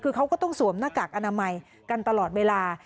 คือเขาก็ต้องสวมหน้ากากอนามัยกันตลอดเวลา